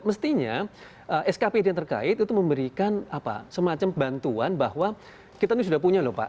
mestinya skpd yang terkait itu memberikan semacam bantuan bahwa kita ini sudah punya lho pak